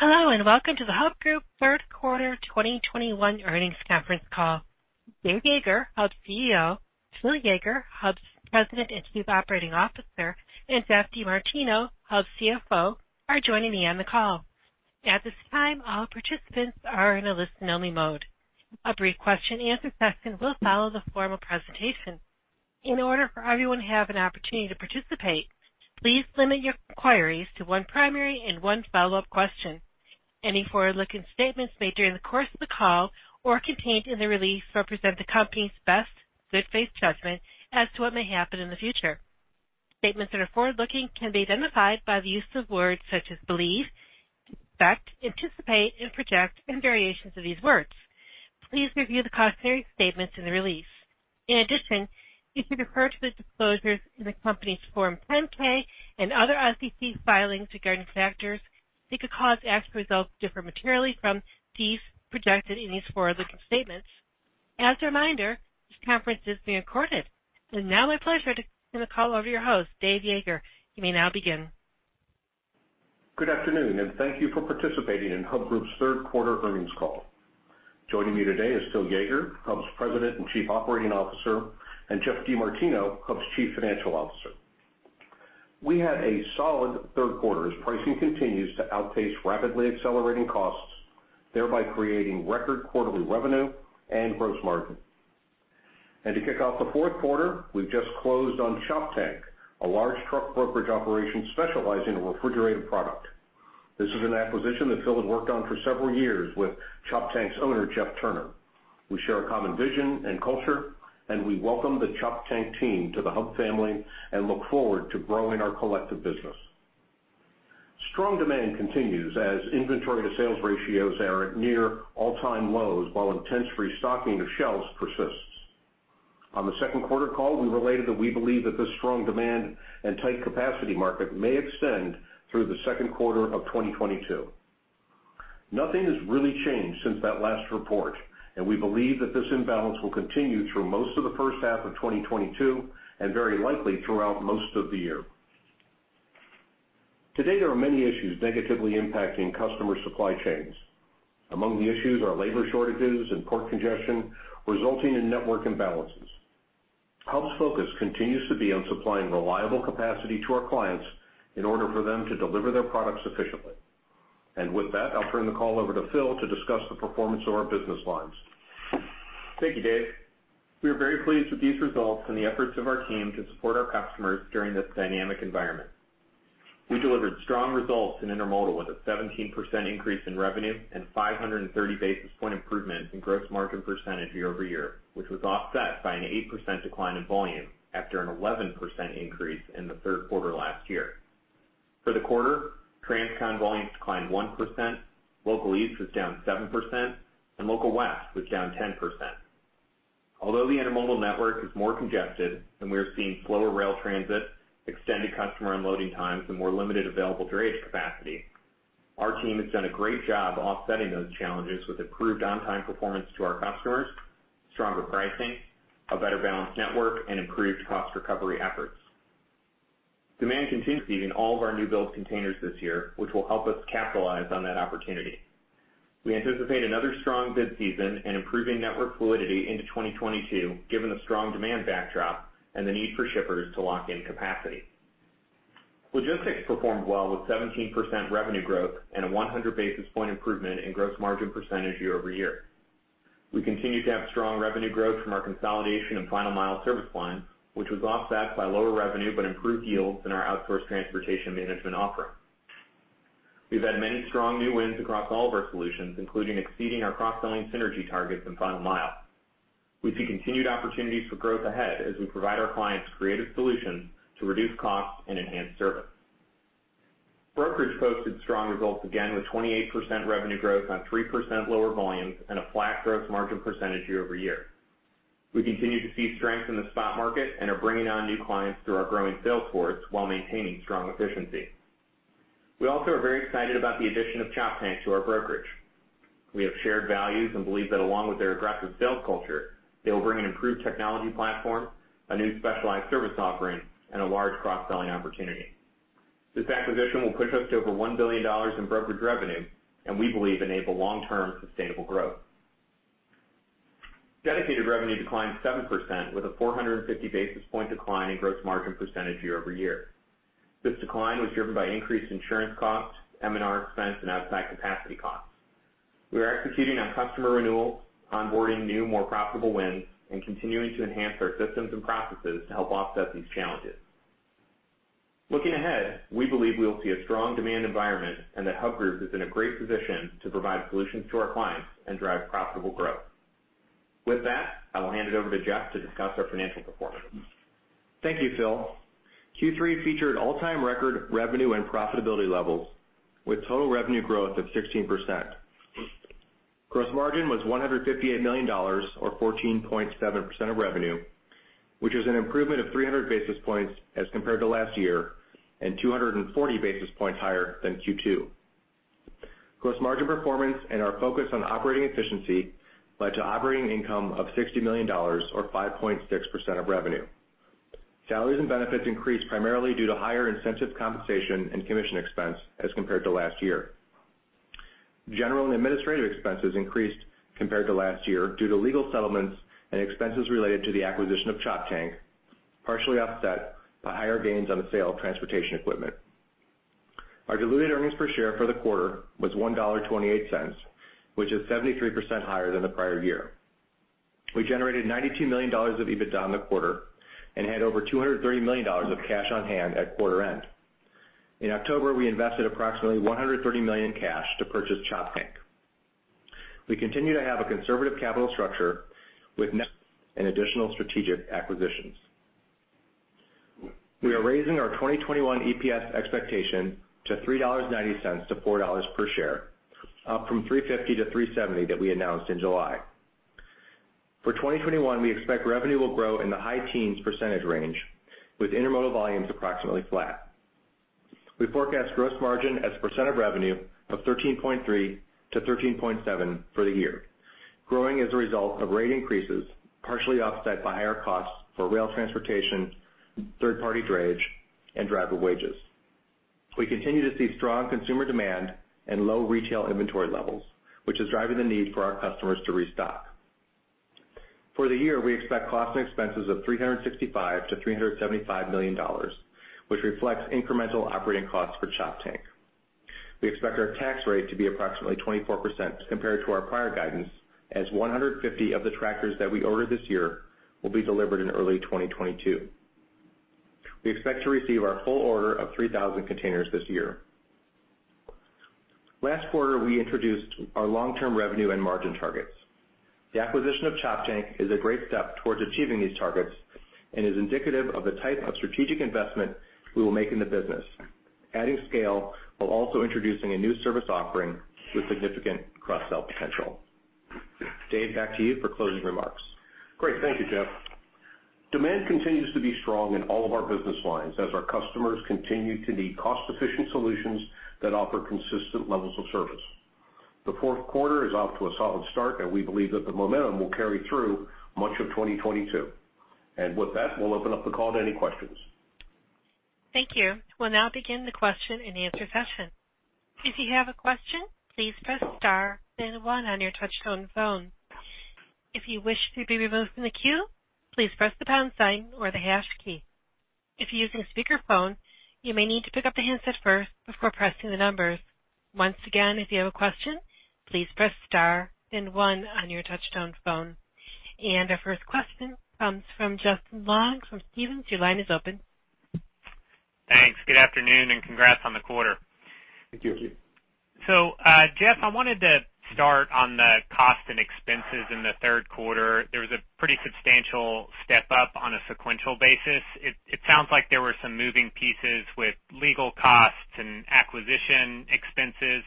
Hello, and welcome to the Hub Group Third Quarter 2021 Earnings Conference call. Dave Yeager, Hub's CEO, Phillip Yeager, Hub's President and Chief Operating Officer, and Geoff DeMartino, Hub's CFO, are joining me on the call. At this time, all participants are in a listen-only mode. A brief question-answer session will follow the formal presentation. In order for everyone to have an opportunity to participate, please limit your inquiries to one primary and one follow-up question. Any forward-looking statements made during the course of the call or contained in the release represent the company's best good faith judgment as to what may happen in the future. Statements that are forward-looking can be identified by the use of words such as believe, expect, anticipate and project and variations of these words. Please review the cautionary statements in the release. In addition, you should refer to the disclosures in the company's Form 10-K and other SEC filings regarding factors that could cause actual results to differ materially from those projections in these forward-looking statements. As a reminder, this conference is being recorded. It is now my pleasure to turn the call over to your host, Dave Yeager. You may now begin. Good afternoon, and thank you for participating in Hub Group's third quarter earnings call. Joining me today is Phil Yeager, Hub's President and Chief Operating Officer, and Geoff DeMartino, Hub's Chief Financial Officer. We had a solid third quarter as pricing continues to outpace rapidly accelerating costs, thereby creating record quarterly revenue and gross margin. To kick off the fourth quarter, we've just closed on Choptank, a large truck brokerage operation specializing in refrigerated product. This is an acquisition that Phil had worked on for several years with Choptank's owner, Geoff Turner. We share a common vision and culture, and we welcome the Choptank team to the Hub family and look forward to growing our collective business. Strong demand continues as inventory to sales ratios are at near all-time lows while intense restocking of shelves persists. On the second quarter call, we related that we believe that this strong demand and tight capacity market may extend through the second quarter of 2022. Nothing has really changed since that last report, and we believe that this imbalance will continue through most of the first half of 2022 and very likely throughout most of the year. Today, there are many issues negatively impacting customer supply chains. Among the issues are labor shortages and port congestion, resulting in network imbalances. Hub's focus continues to be on supplying reliable capacity to our clients in order for them to deliver their products efficiently. With that, I'll turn the call over to Phil to discuss the performance of our business lines. Thank you, Dave. We are very pleased with these results and the efforts of our team to support our customers during this dynamic environment. We delivered strong results in intermodal with a 17% increase in revenue and 530 basis point improvement in gross margin percentage year-over-year, which was offset by an 8% decline in volume after an 11% increase in the third quarter last year. For the quarter, Transcon volumes declined 1%, Local East was down 7%, and Local West was down 10%. Although the intermodal network is more congested and we are seeing slower rail transit, extended customer unloading times and more limited available drayage capacity, our team has done a great job offsetting those challenges with improved on-time performance to our customers, stronger pricing, a better balanced network and improved cost recovery efforts. Demand continues to be in all of our new build containers this year, which will help us capitalize on that opportunity. We anticipate another strong bid season and improving network fluidity into 2022, given the strong demand backdrop and the need for shippers to lock in capacity. Logistics performed well with 17% revenue growth and a 100 basis point improvement in gross margin percentage year-over-year. We continue to have strong revenue growth from our consolidation of Final Mile service lines, which was offset by lower revenue, but improved yields in our outsourced transportation management offering. We've had many strong new wins across all of our solutions, including exceeding our cross-selling synergy targets in Final Mile. We see continued opportunities for growth ahead as we provide our clients creative solutions to reduce costs and enhance service. Brokerage posted strong results again with 28% revenue growth on 3% lower volumes and a flat gross margin percentage year-over-year. We continue to see strength in the spot market and are bringing on new clients through our growing sales force while maintaining strong efficiency. We also are very excited about the addition of Choptank to our brokerage. We have shared values and believe that along with their aggressive sales culture, they will bring an improved technology platform, a new specialized service offering, and a large cross-selling opportunity. This acquisition will push us to over $1 billion in brokerage revenue, and we believe enable long-term sustainable growth. Dedicated revenue declined 7% with a 450 basis point decline in gross margin percentage year-over-year. This decline was driven by increased insurance costs, M&R expense, and outside capacity costs. We are executing on customer renewals, onboarding new, more profitable wins, and continuing to enhance our systems and processes to help offset these challenges. Looking ahead, we believe we will see a strong demand environment and that Hub Group is in a great position to provide solutions to our clients and drive profitable growth. With that, I will hand it over to Geoff to discuss our financial performance. Thank you, Phil. Q3 featured all-time record revenue and profitability levels with total revenue growth of 16%. Gross margin was $158 million, or 14.7% of revenue, which is an improvement of 300 basis points as compared to last year and 240 basis points higher than Q2. Gross margin performance and our focus on operating efficiency led to operating income of $60 million or 5.6% of revenue. Salaries and benefits increased primarily due to higher incentive compensation and commission expense as compared to last year. General and administrative expenses increased compared to last year due to legal settlements and expenses related to the acquisition of Choptank, partially offset by higher gains on the sale of transportation equipment. Our diluted earnings per share for the quarter was $1.28, which is 73% higher than the prior year. We generated $92 million of EBITDA in the quarter and had over $230 million of cash on hand at quarter end. In October, we invested approximately $130 million cash to purchase Choptank. We continue to have a conservative capital structure with an additional strategic acquisitions. We are raising our 2021 EPS expectation to $3.90-$4 per share, up from $3.50-$3.70 that we announced in July. For 2021, we expect revenue will grow in the high teens% range, with intermodal volumes approximately flat. We forecast gross margin. As a percent of revenue of 13.3%-13.7% for the year, growing as a result of rate increases, partially offset by higher costs for rail transportation, third-party dredge, and driver wages. We continue to see strong consumer demand and low retail inventory levels, which is driving the need for our customers to restock. For the year, we expect costs and expenses of $365 million-$375 million, which reflects incremental operating costs for Choptank. We expect our tax rate to be approximately 24% compared to our prior guidance, as 150 of the tractors that we ordered this year will be delivered in early 2022. We expect to receive our full order of 3,000 containers this year. Last quarter, we introduced our long-term revenue and margin targets. The acquisition of Choptank is a great step towards achieving these targets and is indicative of the type of strategic investment we will make in the business, adding scale while also introducing a new service offering with significant cross-sell potential. Dave, back to you for closing remarks. Great. Thank you, Geoff. Demand continues to be strong in all of our business lines as our customers continue to need cost-efficient solutions that offer consistent levels of service. The fourth quarter is off to a solid start, and we believe that the momentum will carry through much of 2022. With that, we'll open up the call to any questions. Thank you. We'll now begin the question-and-answer session. If you have a question, please press star then one on your touchtone phone. If you wish to be removed from the queue, please press the pound sign or the hash key. If you're using a speakerphone, you may need to pick up the handset first before pressing the numbers. Once again, if you have a question, please press star then one on your touchtone phone. Our first question comes from Justin Long from Stephens. Your line is open. Thanks. Good afternoon, and congrats on the quarter. Thank you. Thank you. Jeff, I wanted to start on the costs and expenses in the third quarter. There was a pretty substantial step-up on a sequential basis. It sounds like there were some moving pieces with legal costs and acquisition expenses.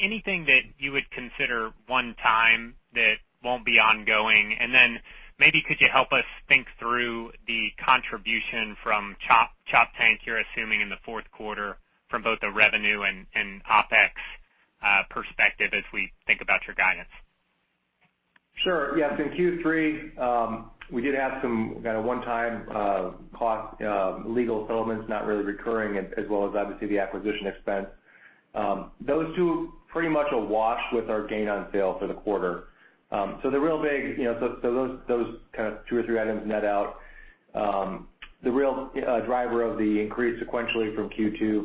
Anything that you would consider one time that won't be ongoing? Then maybe could you help us think through the contribution from Choptank you're assuming in the fourth quarter from both the revenue and OpEx perspective as we think about your guidance? Sure. Yes. In Q3, we did have some kind of one-time cost, legal settlements, not really recurring, as well as obviously the acquisition expense. Those two pretty much awash with our gain on sale for the quarter. The real big, you know, those kind of two or three items net out. The real driver of the increase sequentially from Q2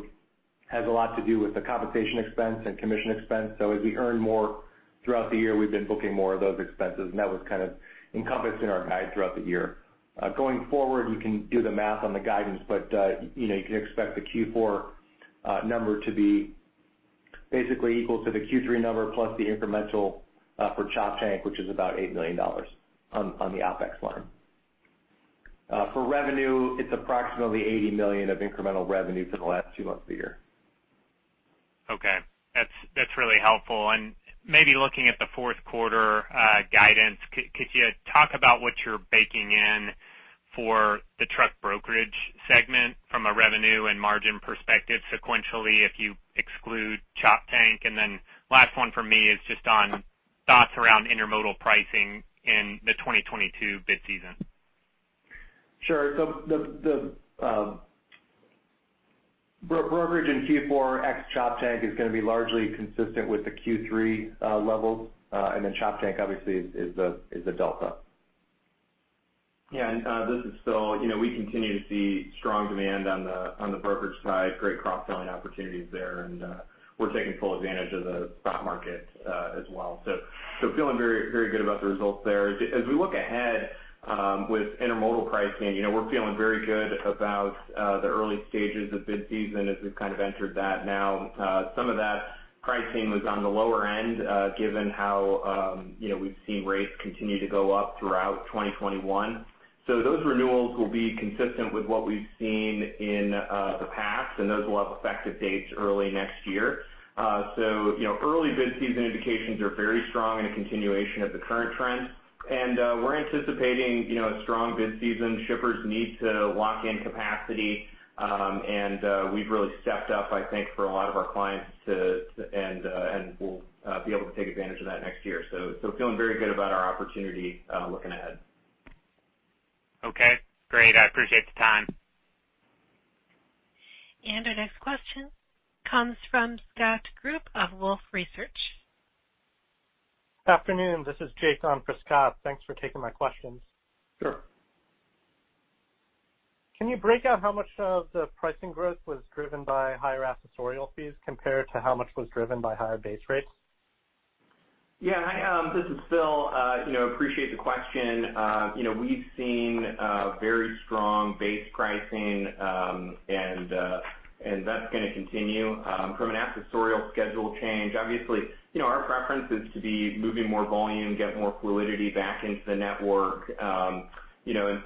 has a lot to do with the compensation expense and commission expense. As we earn more throughout the year, we've been booking more of those expenses, and that was kind of encompassed in our guide throughout the year. Going forward, you can do the math on the guidance, but you know, you can expect the Q4 number to be basically equal to the Q3 number, plus the incremental for Choptank, which is about $8 million on the OpEx line. For revenue, it's approximately $80 million of incremental revenue for the last two months of the year. Okay. That's really helpful. Maybe looking at the fourth quarter guidance, could you talk about what you're baking in for the truck brokerage segment from a revenue and margin perspective sequentially if you exclude Choptank? Then last one for me is just on thoughts around intermodal pricing in the 2022 bid season. Sure. Brokerage in Q4 ex Choptank is gonna be largely consistent with the Q3 levels. Choptank obviously is the delta. Yeah. This is Phil. You know, we continue to see strong demand on the brokerage side, great cross-selling opportunities there, and we're taking full advantage of the spot market as well. So feeling very good about the results there. We look ahead with intermodal pricing. You know, we're feeling very good about the early stages of bid season as we've kind of entered that now. Some of that pricing was on the lower end given how you know, we've seen rates continue to go up throughout 2021. Those renewals will be consistent with what we've seen in the past, and those will have effective dates early next year. You know, early bid season indications are very strong and a continuation of the current trend. We're anticipating, you know, a strong bid season. Shippers need to lock in capacity, and we've really stepped up, I think, for a lot of our clients, and we'll be able to take advantage of that next year. Feeling very good about our opportunity looking ahead. Okay, great. I appreciate the time. Our next question comes from Scott Group of Wolfe Research. afternoon, this is Jake on for Scott. Thanks for taking my questions. Sure. Can you break out how much of the pricing growth was driven by higher accessorial fees compared to how much was driven by higher base rates? Yeah. Hi, this is Phil. You know, appreciate the question. You know, we've seen very strong base pricing, and that's gonna continue. From an accessorial schedule change, obviously, you know, our preference is to be moving more volume, get more fluidity back into the network. You know,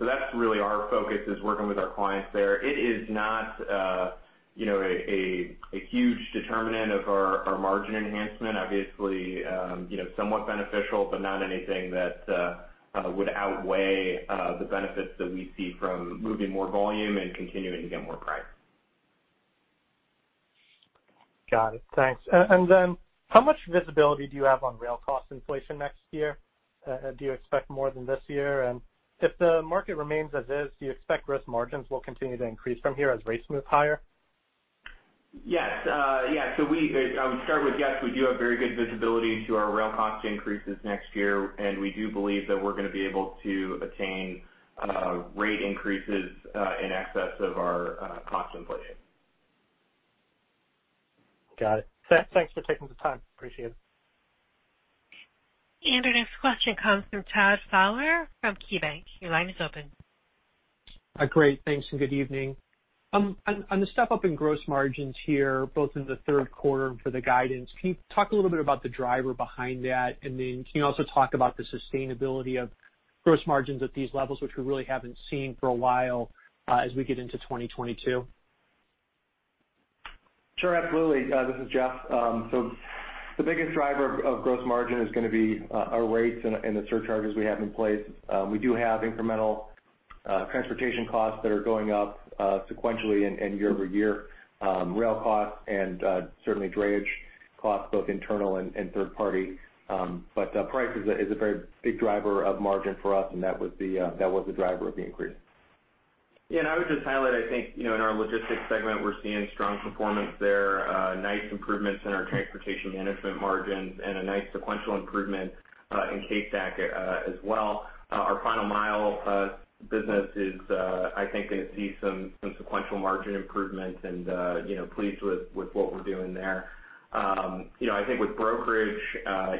that's really our focus, is working with our clients there. It is not, you know, a huge determinant of our margin enhancement. Obviously, you know, somewhat beneficial, but not anything that would outweigh the benefits that we see from moving more volume and continuing to get more price. Got it. Thanks. How much visibility do you have on rail cost inflation next year? Do you expect more than this year? If the market remains as is, do you expect gross margins will continue to increase from here as rates move higher? Yes. We do have very good visibility to our rail cost increases next year, and we do believe that we're gonna be able to attain rate increases in excess of our contemplated. Got it. Thanks for taking the time. Appreciate it. Our next question comes from Todd Fowler from KeyBanc. Your line is open. Great. Thanks, and good evening. On the step up in gross margins here, both in the third quarter and for the guidance, can you talk a little bit about the driver behind that? Then can you also talk about the sustainability of gross margins at these levels, which we really haven't seen for a while, as we get into 2022? Sure, absolutely. This is Jeff. So the biggest driver of gross margin is gonna be our rates and the surcharges we have in place. We do have incremental transportation costs that are going up sequentially and year-over-year, rail costs and certainly drayage costs, both internal and third party. But price is a very big driver of margin for us, and that was the driver of the increase. Yeah. I would just highlight, I think, you know, in our Logistics segment, we're seeing strong performance there, nice improvements in our transportation management margins and a nice sequential improvement in CAC, as well. Our Final Mile business is, I think gonna see some sequential margin improvement and, you know, pleased with what we're doing there. You know, I think with brokerage,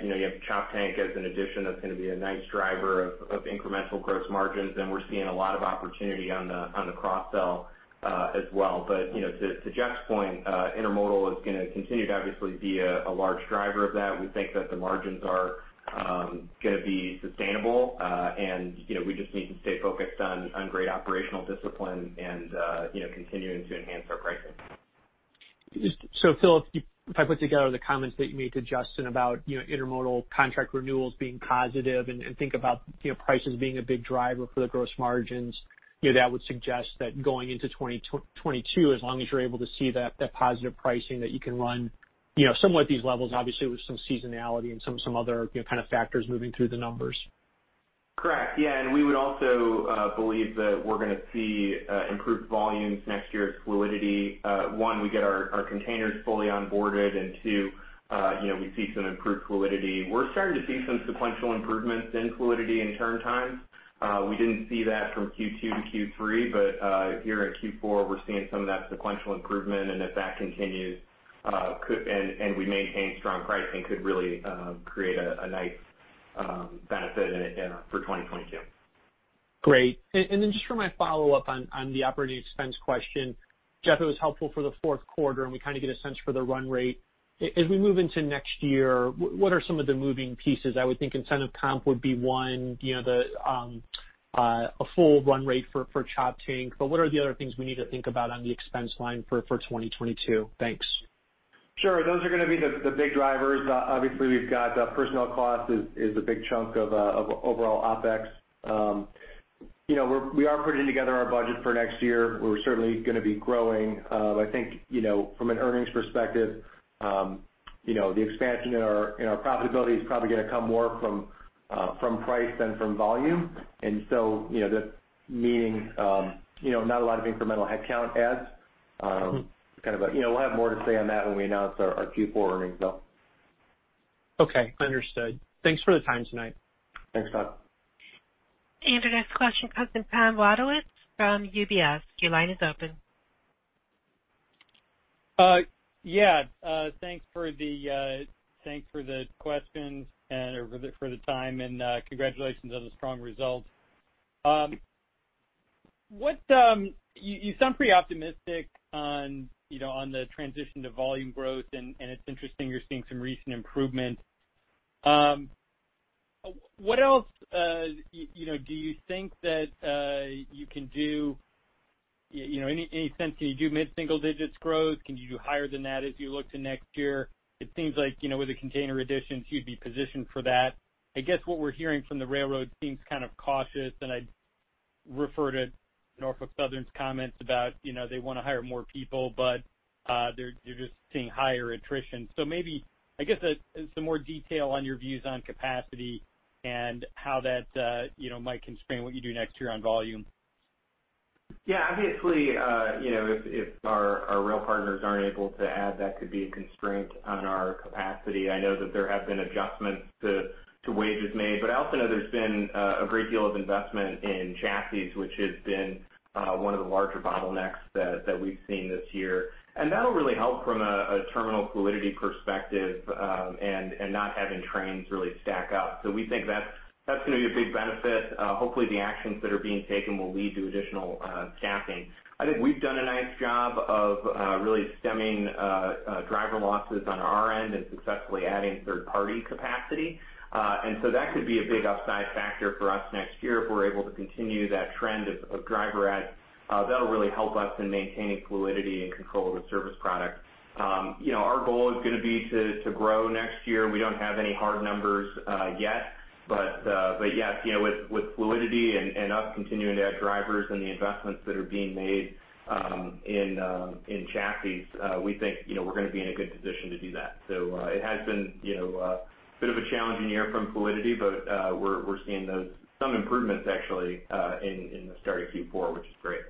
you know, you have Choptank as an addition that's gonna be a nice driver of incremental gross margins, and we're seeing a lot of opportunity on the cross sell, as well. You know, to Geoff's point, intermodal is gonna continue to obviously be a large driver of that. We think that the margins are gonna be sustainable, and, you know, we just need to stay focused on great operational discipline and, you know, continuing to enhance our pricing. Just so Phil, if I put together the comments that you made to Justin about, you know, intermodal contract renewals being positive and think about, you know, prices being a big driver for the gross margins, you know, that would suggest that going into 2022, as long as you're able to see that positive pricing that you can run, you know, somewhat these levels, obviously with some seasonality and some other, you know, kind of factors moving through the numbers. Correct. Yeah. We would also believe that we're gonna see improved volumes next year as fluidity, one, we get our containers fully onboarded, and two, you know, we see some improved fluidity. We're starting to see some sequential improvements in fluidity and turn times. We didn't see that from Q2 to Q3, but here in Q4, we're seeing some of that sequential improvement. If that continues and we maintain strong pricing, could really create a nice benefit in it, you know, for 2022. Great. Then just for my follow-up on the operating expense question, Geoff, it was helpful for the fourth quarter, and we kind of get a sense for the run rate. As we move into next year, what are some of the moving pieces? I would think incentive comp would be one, you know, a full run rate for Choptank. What are the other things we need to think about on the expense line for 2022? Thanks. Sure. Those are gonna be the big drivers. Obviously, we've got personnel costs is a big chunk of overall OpEx. You know, we are putting together our budget for next year. We're certainly gonna be growing. I think, you know, from an earnings perspective, you know, the expansion in our profitability is probably gonna come more from price than from volume. You know, that meaning not a lot of incremental headcount adds. Kind of a, you know, we'll have more to say on that when we announce our Q4 earnings, so. Okay. Understood. Thanks for the time tonight. Thanks, Todd. Our next question comes from Tom Wadewitz from UBS. Your line is open. Yeah. Thanks for the questions and or for the time, and congratulations on the strong results. You sound pretty optimistic on, you know, on the transition to volume growth, and it's interesting you're seeing some recent improvement. What else, you know, do you think that you can do? You know, any sense, can you do mid-single digits growth? Can you do higher than that as you look to next year? It seems like, you know, with the container additions, you'd be positioned for that. I guess what we're hearing from the railroad seems kind of cautious, and I'd refer to Norfolk Southern's comments about, you know, they wanna hire more people, but they're just seeing higher attrition. Maybe, I guess, some more detail on your views on capacity and how that, you know, might constrain what you do next year on volume. Yeah. Obviously, you know, if our rail partners aren't able to add, that could be a constraint on our capacity. I know that there have been adjustments to wages made, but I also know there's been a great deal of investment in chassis, which has been one of the larger bottlenecks that we've seen this year. That'll really help from a terminal fluidity perspective, and not having trains really stack up. We think that's gonna be a big benefit. Hopefully, the actions that are being taken will lead to additional chassis. I think we've done a nice job of really stemming driver losses on our end and successfully adding third-party capacity. That could be a big upside factor for us next year if we're able to continue that trend of driver adds. That'll really help us in maintaining fluidity and control over service product. You know, our goal is gonna be to grow next year. We don't have any hard numbers yet. Yes, you know, with fluidity and us continuing to add drivers and the investments that are being made in chassis, we think, you know, we're gonna be in a good position to do that. It has been, you know, a bit of a challenging year from fluidity, but we're seeing some improvements actually in the start of Q4, which is great.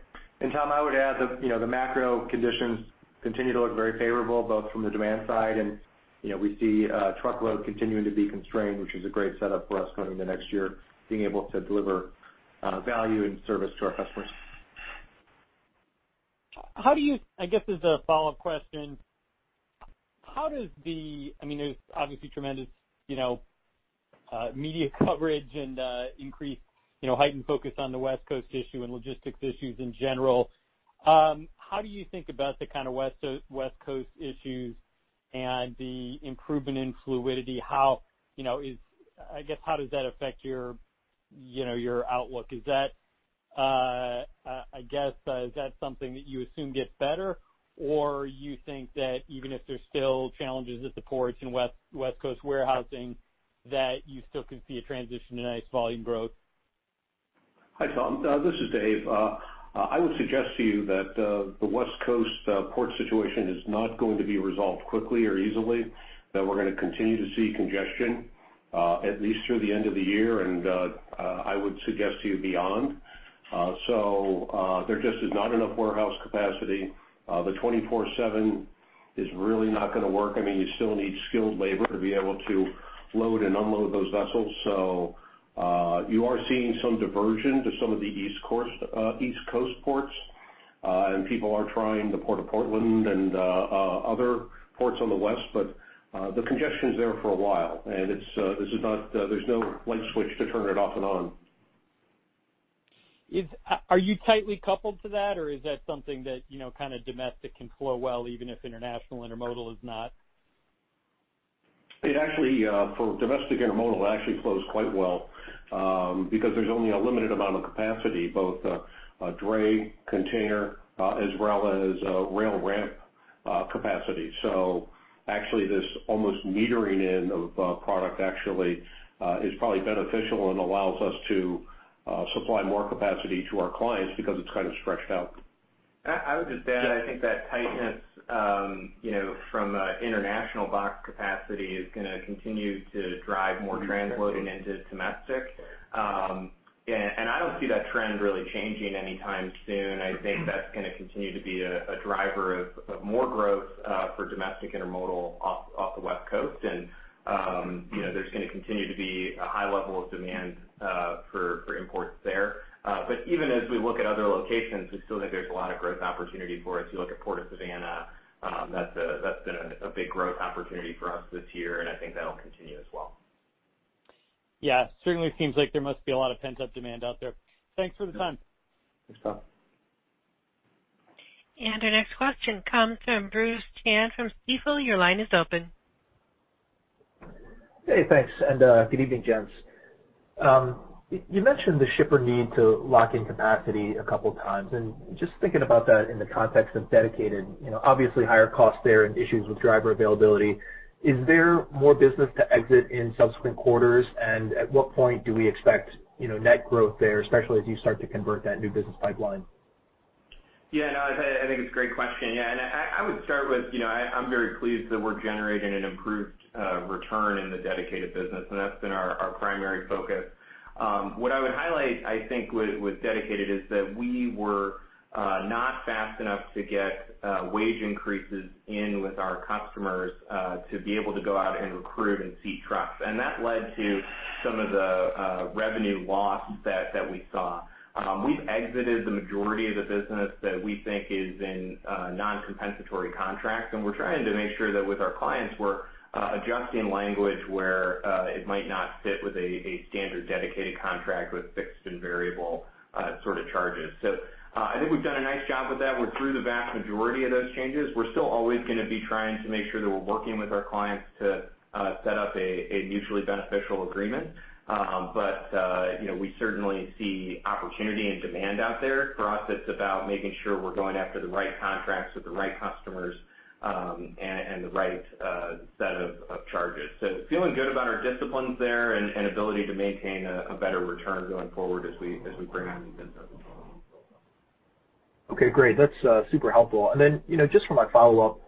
Tom, I would add that, you know, the macro conditions continue to look very favorable, both from the demand side and, you know, we see truckload continuing to be constrained, which is a great setup for us going into next year, being able to deliver value and service to our customers. I guess, as a follow-up question, I mean, there's obviously tremendous, you know, media coverage and, increased, you know, heightened focus on the West Coast issue and logistics issues in general. How do you think about the kind of West Coast issues and the improvement in fluidity? How does that affect your, you know, your outlook? Is that something that you assume gets better? Or you think that even if there's still challenges at the ports in West Coast warehousing, that you still can see a transition to nice volume growth? Hi, Tom. This is Dave. I would suggest to you that the West Coast port situation is not going to be resolved quickly or easily, that we're gonna continue to see congestion at least through the end of the year, and I would suggest to you beyond. There just is not enough warehouse capacity. The 24/7 is really not gonna work. I mean, you still need skilled labor to be able to load and unload those vessels. You are seeing some diversion to some of the East Coast ports, and people are trying the Port of Portland and other ports on the west. But the congestion is there for a while, and it's not. There's no light switch to turn it off and on. Are you tightly coupled to that, or is that something that, you know, kind of domestic can flow well, even if international intermodal is not? It actually for domestic intermodal, it actually flows quite well, because there's only a limited amount of capacity, both, dray, container, as well as, rail ramp, capacity. So actually, this almost metering in of product actually is probably beneficial and allows us to supply more capacity to our clients because it's kind of stretched out. I would just add, I think that tightness, you know, from an international box capacity is gonna continue to drive more transloading into domestic. I don't see that trend really changing anytime soon. I think that's gonna continue to be a driver of more growth for domestic intermodal off the West Coast. You know, there's gonna continue to be a high level of demand for imports there. Even as we look at other locations, we still think there's a lot of growth opportunity for us. You look at Port of Savannah, that's been a big growth opportunity for us this year, and I think that'll continue as well. Yeah. Certainly seems like there must be a lot of pent-up demand out there. Thanks for the time. Thanks, Tom. Our next question comes from Bruce Chan from Stifel. Your line is open. Hey, thanks. Good evening, gents. You mentioned the shippers need to lock in capacity a couple times, and just thinking about that in the context of dedicated, you know, obviously higher costs there and issues with driver availability, is there more business to exit in subsequent quarters? At what point do we expect, you know, net growth there, especially as you start to convert that new business pipeline? Yeah, no, I think it's a great question. Yeah. I would start with, you know, I'm very pleased that we're generating an improved return in the dedicated business, and that's been our primary focus. What I would highlight, I think with dedicated, is that we were not fast enough to get wage increases in with our customers to be able to go out and recruit and seat trucks. That led to some of the revenue loss that we saw. We've exited the majority of the business that we think is in non-compensatory contracts, and we're trying to make sure that with our clients, we're adjusting language where it might not fit with a standard dedicated contract with fixed and variable sort of charges. I think we've done a nice job with that. We're through the vast majority of those changes. We're still always gonna be trying to make sure that we're working with our clients to set up a mutually beneficial agreement. You know, we certainly see opportunity and demand out there. For us, it's about making sure we're going after the right contracts with the right customers and the right set of charges. Feeling good about our disciplines there and ability to maintain a better return going forward as we bring on new business. Okay, great. That's super helpful. Then, you know, just for my follow-up,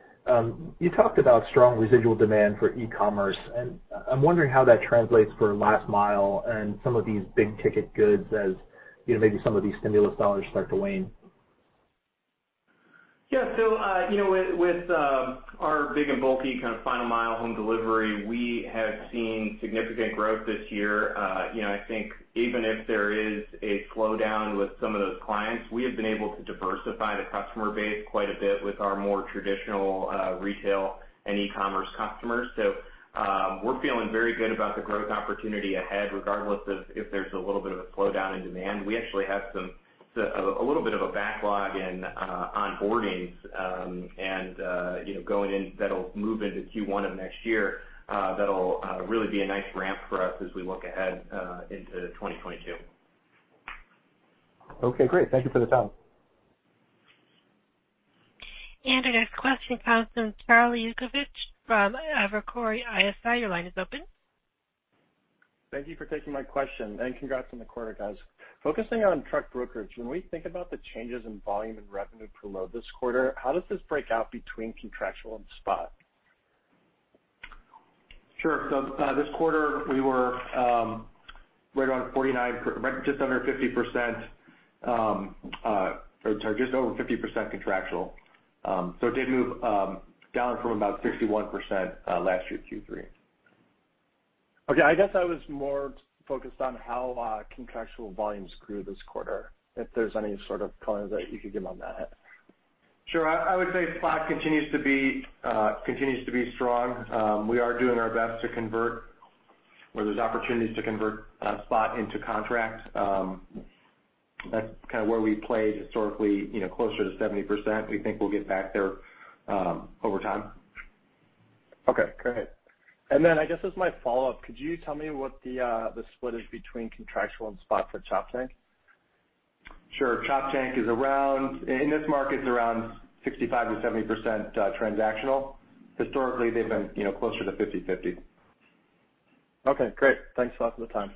you talked about strong residual demand for e-commerce, and I'm wondering how that translates for last mile and some of these big-ticket goods as, you know, maybe some of these stimulus dollars start to wane. Yeah. You know, with our big and bulky kind of Final Mile home delivery, we have seen significant growth this year. You know, I think even if there is a slowdown with some of those clients, we have been able to diversify the customer base quite a bit with our more traditional retail and e-commerce customers. We're feeling very good about the growth opportunity ahead, regardless of if there's a little bit of a slowdown in demand. We actually have some a little bit of a backlog in onboardings, and you know, going in that'll move into Q1 of next year, that'll really be a nice ramp for us as we look ahead into 2022. Okay, great. Thank you for the time. Our next question comes from Charley Yukevich from Evercore ISI. Your line is open. Thank you for taking my question, and congrats on the quarter, guys. Focusing on truck brokerage, when we think about the changes in volume and revenue per load this quarter, how does this break out between contractual and spot? Sure. This quarter, we were right around 49%, right, just under 50%, or sorry, just over 50% contractual. It did move down from about 61% last year, Q3. Okay. I guess I was more focused on how, contractual volumes grew this quarter, if there's any sort of color that you could give on that. Sure. I would say spot continues to be strong. We are doing our best to convert where there's opportunities to convert spot into contract. That's kind of where we played historically, you know, closer to 70%. We think we'll get back there over time. Okay, go ahead. I guess as my follow-up, could you tell me what the split is between contractual and spot for Choptank? Sure. Choptank is around in this market. It's around 65%-70% transactional. Historically, they've been, you know, closer to 50/50. Okay, great. Thanks a lot for the time.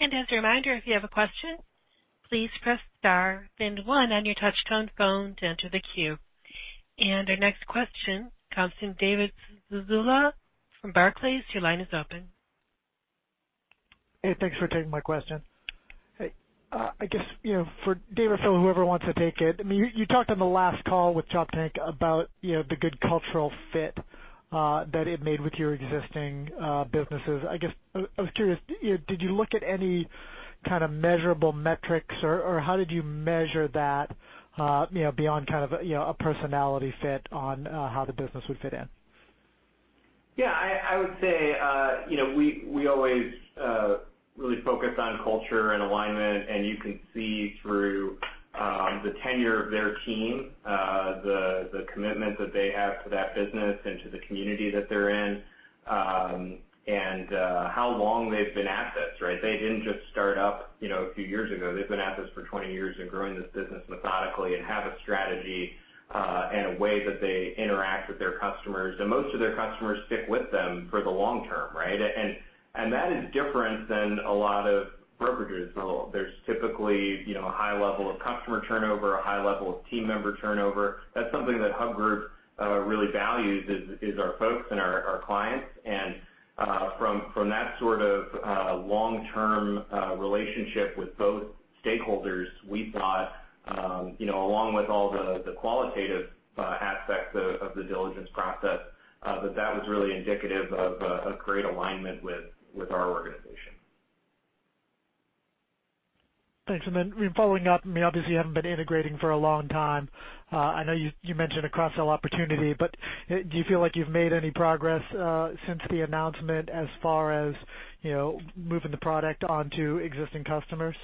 As a reminder, if you have a question, please press star then one on your touchtone phone to enter the queue. Our next question comes from David Zazula from Barclays. Your line is open. Hey, thanks for taking my question. Hey, I guess, you know, for Dave or Phil, whoever wants to take it. I mean, you talked on the last call with Choptank about, you know, the good cultural fit that it made with your existing businesses. I guess, I was curious, you know, did you look at any kind of measurable metrics, or how did you measure that, you know, beyond kind of, you know, a personality fit on how the business would fit in? Yeah. I would say, you know, we always really focus on culture and alignment, and you can see through the tenure of their team, the commitment that they have to that business and to the community that they're in, and how long they've been at this, right? They didn't just start up, you know, a few years ago. They've been at this for 20 years and growing this business methodically and have a strategy and a way that they interact with their customers. Most of their customers stick with them for the long term, right? That is different than a lot of brokerages. There's typically, you know, a high level of customer turnover, a high level of team member turnover. That's something that Hub Group really values is our folks and our clients. From that sort of long-term relationship with both stakeholders, we thought, you know, along with all the qualitative aspects of the diligence process, that was really indicative of a great alignment with our organization. Thanks. Following up, I mean, obviously you haven't been integrating for a long time. I know you mentioned a cross-sell opportunity, but do you feel like you've made any progress since the announcement as far as, you know, moving the product onto existing customers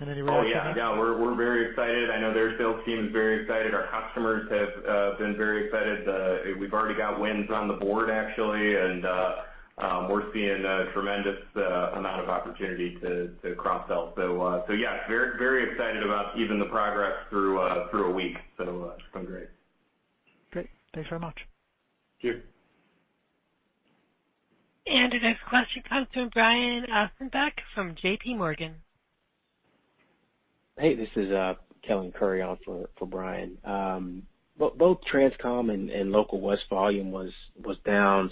in any way? Oh, yeah. Yeah. We're very excited. I know their sales team is very excited. Our customers have been very excited. We've already got wins on the board actually, and we're seeing a tremendous amount of opportunity to cross-sell. Yeah, very, very excited about even the progress through a week. It's been great. Great. Thanks very much. Thank you. The next question comes from Brian Ossenbeck from J.P. Morgan. Hey, this is Kellen Curry on for Brian. Both Transcon and Local West volume was down.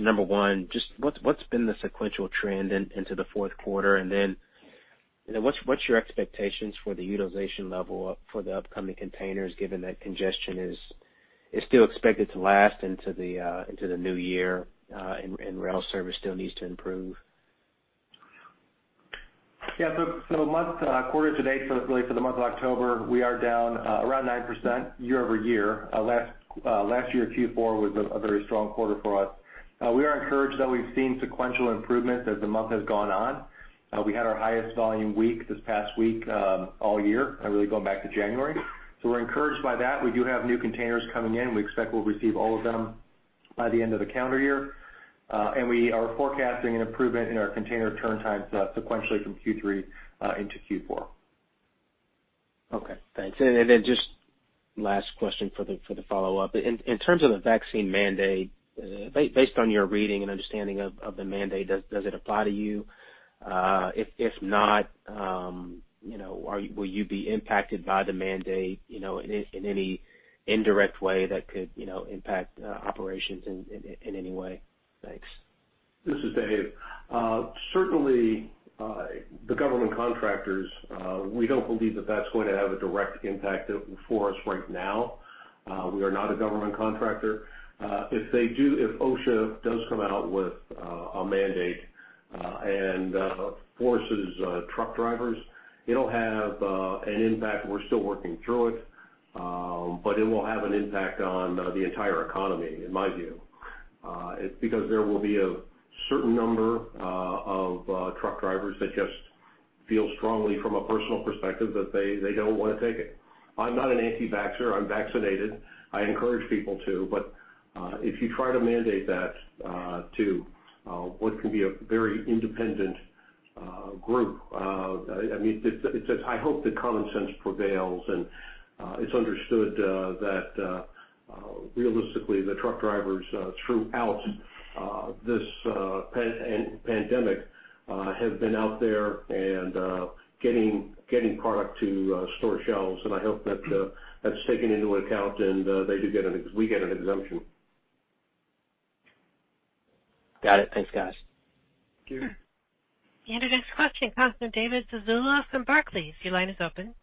Number one, just what's been the sequential trend into the fourth quarter? You know, what's your expectations for the utilization level for the upcoming containers given that congestion is still expected to last into the new year, and rail service still needs to improve? Quarter to date, that's really for the month of October. We are down around 9% year-over-year. Last year Q4 was a very strong quarter for us. We are encouraged that we've seen sequential improvement as the month has gone on. We had our highest volume week this past week all year, really going back to January. We're encouraged by that. We do have new containers coming in. We expect we'll receive all of them by the end of the calendar year. We are forecasting an improvement in our container turn times sequentially from Q3 into Q4. Okay, thanks. Just last question for the follow-up. In terms of the vaccine mandate, based on your reading and understanding of the mandate, does it apply to you? If not, you know, will you be impacted by the mandate, you know, in any indirect way that could, you know, impact operations in any way? Thanks. This is Dave. Certainly, the government contractors, we don't believe that that's going to have a direct impact for us right now. We are not a government contractor. If they do, if OSHA does come out with a mandate and forces truck drivers, it'll have an impact. We're still working through it. It will have an impact on the entire economy, in my view. It's because there will be a certain number of truck drivers that just feel strongly from a personal perspective that they don't wanna take it. I'm not an anti-vaxxer. I'm vaccinated. I encourage people to. If you try to mandate that to what can be a very independent group, I mean, it's just I hope that common sense prevails and it's understood that realistically the truck drivers throughout this pandemic have been out there and getting product to store shelves. I hope that that's taken into account and we get an exemption. Got it. Thanks, guys. Thank you. The next question comes from David Zazula from Barclays. Your line is open.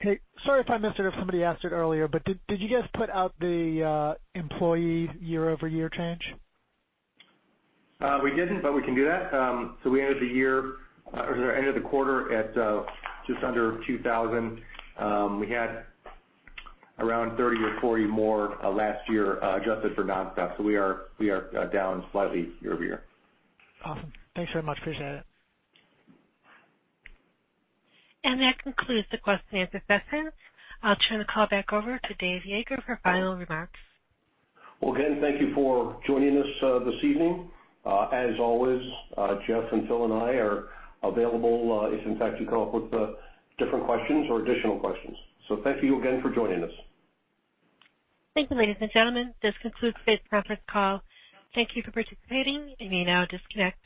Hey. Sorry if I missed it or if somebody asked it earlier, but did you guys put out the employee year-over-year change? We didn't, but we can do that. We ended the quarter at just under 2000. We had around 30 or 40 more last year, adjusted for non-staff. We are down slightly year-over-year. Awesome. Thanks very much. Appreciate it. That concludes the question and answer session. I'll turn the call back over to Dave Yeager for final remarks. Well, again, thank you for joining us, this evening. As always, Geoff and Phil and I are available, if in fact you come up with, different questions or additional questions. Thank you again for joining us. Thank you, ladies and gentlemen. This concludes today's conference call. Thank you for participating. You may now disconnect.